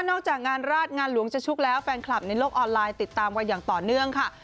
จากงานราชงานหลวงจะชุกแล้วแฟนคลับในโลกออนไลน์ติดตามกันอย่างต่อเนื่องค่ะ